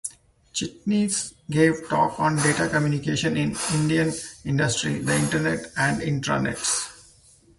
Chitnis gave talks on data communication in Indian industry, the Internet and intranets.